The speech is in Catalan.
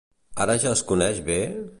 Ara ja la coneix bé?